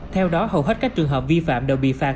theo đó hầu hết các trường hợp vi phạm đều bị phạt